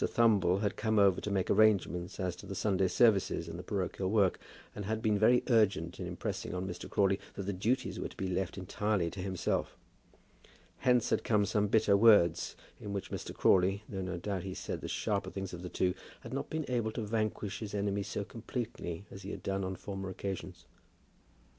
Thumble had come over to make arrangements as to the Sunday services and the parochial work, and had been very urgent in impressing on Mr. Crawley that the duties were to be left entirely to himself. Hence had come some bitter words, in which Mr. Crawley, though no doubt he said the sharper things of the two, had not been able to vanquish his enemy so completely as he had done on former occasions.